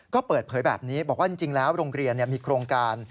ก็เปิดเผยแบบนี้บอกว่าจริงแล้วโรงเรียนมีโครงการ